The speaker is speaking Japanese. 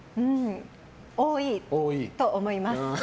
多いと思います。